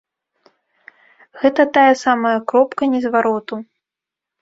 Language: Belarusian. Гэта тая самая кропка незвароту.